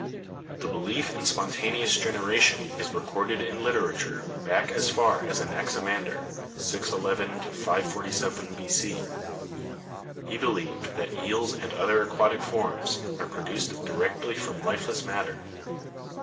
The belief in spontaneous generation is recorded in literature back as far as Anaximander (611 547 B.C.). He believed that eels and other aquatic forms are produced directly from lifeless matter.